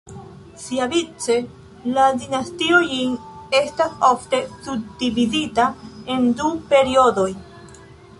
Siavice, la Dinastio Jin estas ofte subdividita en du periodoj.